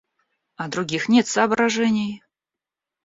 А других нет соображений.